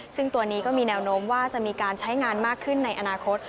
ซึ่งตัวนี้ก็มีแนวโน้มว่าจะมีการใช้งานมากขึ้นในอนาคต